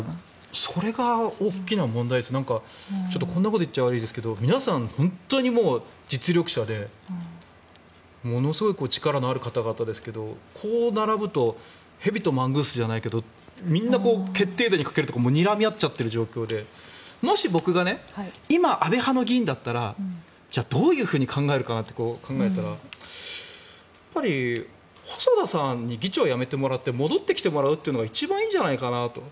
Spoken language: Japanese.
それが大きな問題でこんなこと言ったら悪いですけど皆さん、本当に実力者でものすごい力のある方々ですがこう並ぶと蛇とマングースじゃないけどみんな決定打に欠けるというかにらみ合っちゃってる状況でもし僕が今安倍派の議員だったらじゃあどう考えるかなって考えたらやっぱり細田さんに議長を辞めてもらって戻ってきてもらうというのが一番いいんじゃないかなと。